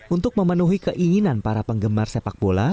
untuk memenuhi keinginan para penggemar sepak bola